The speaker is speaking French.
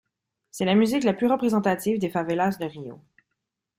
C'est la musique la plus représentative des favelas de Rio.